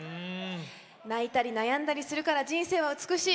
「泣いたり悩んだりするから人生は美しい」